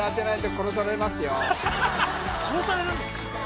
殺されるんですか？